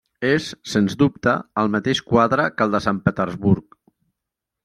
És, sens dubte, el mateix quadre que el de Sant Petersburg.